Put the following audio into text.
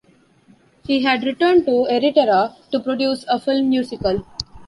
He had returned to Eritrea to produce a film musical.